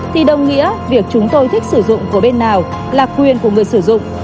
thì đồng nghĩa việc chúng tôi thích sử dụng của bên nào là quyền của người sử dụng